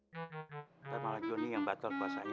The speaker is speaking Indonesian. saya malah joni yang batal puasanya